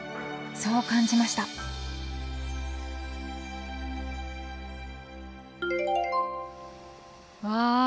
そう感じましたわあ。